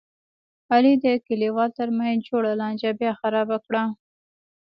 علي د کلیوالو ترمنځ جوړه لانجه بیا خرابه کړله.